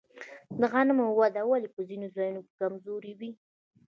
د غنمو وده ولې په ځینو ځایونو کې کمزورې وي؟